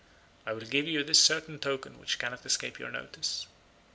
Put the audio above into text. I will give you this certain token which cannot escape your notice.